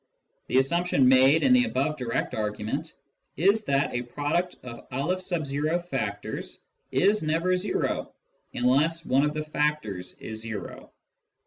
The assumption made in the above direct argu ment is that a product of N factors is never zero unless one of the factors is zero.